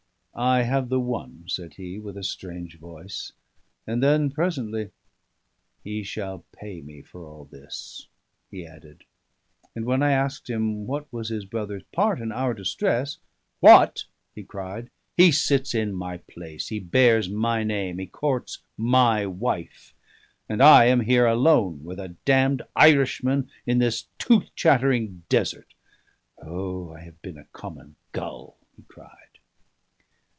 "I have the one," said he, with a strange voice; and then presently, "He shall pay me for all this," he added. And when I asked him what was his brother's part in our distress, "What!" he cried, "he sits in my place, he bears my name, he courts my wife; and I am here alone with a damned Irishman in this tooth chattering desert! O, I have been a common gull!" he cried.